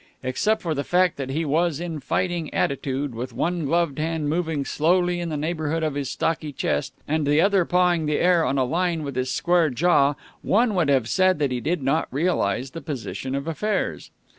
Except for the fact that he was in fighting attitude, with one gloved hand moving slowly in the neighborhood of his stocky chest, and the other pawing the air on a line with his square jaw, one would have said that he did not realize the position of affairs.